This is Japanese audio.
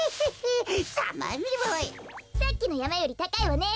さっきのやまよりたかいわね。